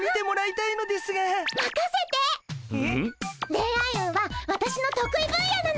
恋愛運はわたしの得意分野なの！